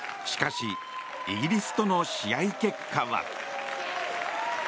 しかしイギリスとの試合結果は。